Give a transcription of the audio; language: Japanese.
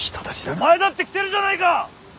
お前だって来てるじゃないか！